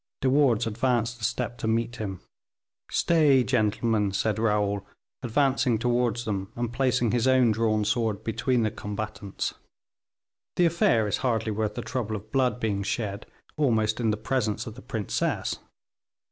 De Wardes advanced a step to meet him. "Stay, gentlemen," said Raoul, advancing towards them, and placing his own drawn sword between the combatants, "the affair is hardly worth the trouble of blood being shed almost in the presence of the princess.